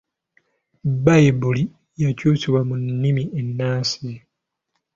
Bbayibuli yakyusibwa mu nnimi ennansi.